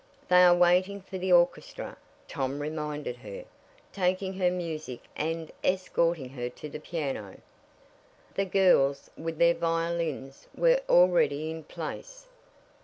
"They are waiting for the orchestra," Tom reminded her, taking her music and escorting her to the piano. The girls, with their violins, were already in place.